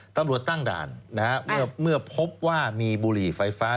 ตำรวจตั้งด่านนะฮะเมื่อพบว่ามีบุหรี่ไฟฟ้า